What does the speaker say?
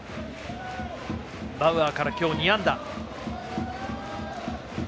バウアーから今日２安打。